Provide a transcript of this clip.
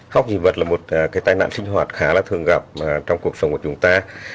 hóc dị vật là một tai nạn sinh hoạt khá là thường gặp trong cuộc sống của chúng ta